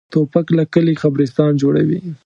توپک له کلي قبرستان جوړوي.